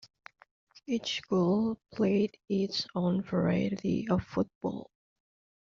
Each school played its own variety of football.